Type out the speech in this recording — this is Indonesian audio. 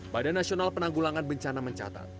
badan nasional penanggulangan bencana mencatat